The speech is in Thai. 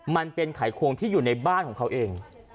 มันเป็นไขควงที่อยู่ในบ้านของเขาเอง